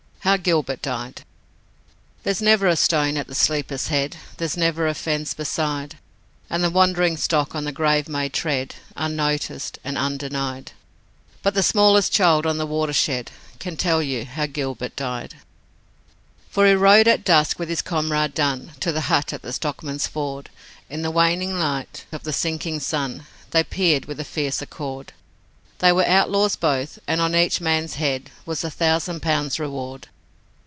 How Gilbert Died There's never a stone at the sleeper's head, There's never a fence beside, And the wandering stock on the grave may tread Unnoticed and undenied, But the smallest child on the Watershed Can tell you how Gilbert died. For he rode at dusk, with his comrade Dunn To the hut at the Stockman's Ford, In the waning light of the sinking sun They peered with a fierce accord. They were outlaws both and on each man's head Was a thousand pounds reward.